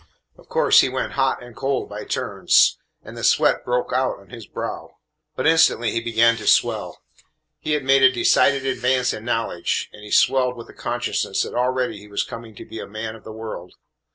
Of course, he went hot and cold by turns, and the sweat broke out on his brow, but instantly he began to swell. He had made a decided advance in knowledge, and he swelled with the consciousness that already he was coming to be a man of the world.